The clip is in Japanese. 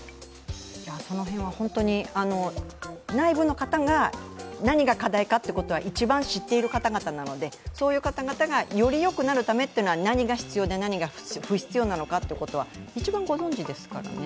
その辺は本当に内部の方が何が課題かということは一番知っている方々なのでそういう方々がよりよくなるために何が必要で何が不必要かは、一番ご存じですからね。